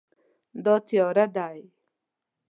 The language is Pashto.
دا تیاره دی